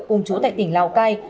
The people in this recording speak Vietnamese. cùng trú tại tỉnh lào cai